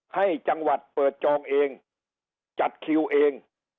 ให้จังหวัดเปิดจองเองจัดคิวเอง